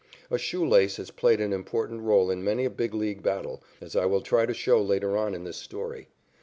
A shoe lace has played an important role in many a Big League battle, as I will try to show later on in this story.